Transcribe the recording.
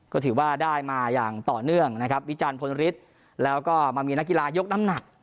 ก็ถือว่าได้มาอย่างต่อเนื่องนะครับวิจารณพลฤทธิ์แล้วก็มามีนักกีฬายกน้ำหนัก